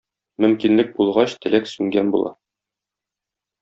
Мөмкинлек булгач теләк сүнгән була.